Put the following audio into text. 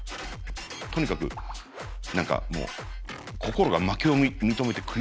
とにかく何かもう心が負けを認めて悔しいみたいな。